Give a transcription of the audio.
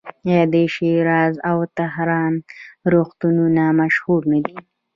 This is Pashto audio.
آیا د شیراز او تهران روغتونونه مشهور نه دي؟